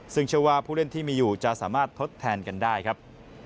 ซึ่งเชื่อว่าผู้เล่นที่มีอยู่จะสามารถทดแทนกันได้ครับ